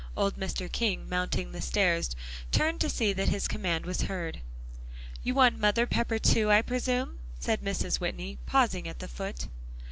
Old Mr. King mounting the stairs, turned to see that his command was heard. "You want Mother Pepper too, I presume?" said Mrs. Whitney, pausing at the foot.